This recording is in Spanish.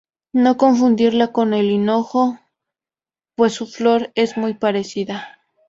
No confundirla con el hinojo, pues su flor es muy parecida.